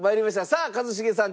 さあ一茂さん